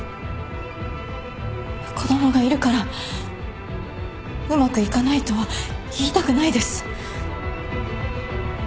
子供がいるからうまくいかないとは言いたくないです。